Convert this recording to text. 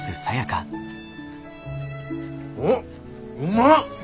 おっうま！